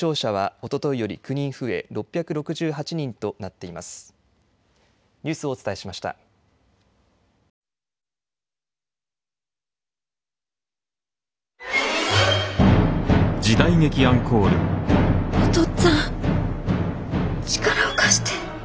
お父っつぁん力を貸して。